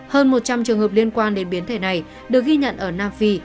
hơn một trăm linh trường hợp liên quan đến biến thể này được ghi nhận ở nam phi